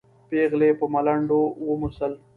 پېغلې په ملنډو وموسل.